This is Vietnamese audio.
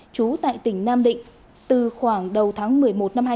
chú tại tỉnh nam định từ khoảng đầu tháng một mươi một năm hai nghìn hai mươi ba